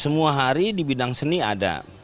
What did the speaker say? semua hari di bidang seni ada